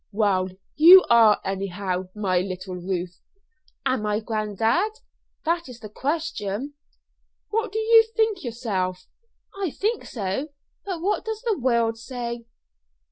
"Well, you are, anyhow, my little Ruth." "Am I, granddad? That is the question." "What do you think yourself?" "I think so; but what does the world say?"